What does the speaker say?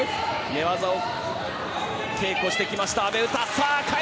寝技を稽古してきた阿部詩。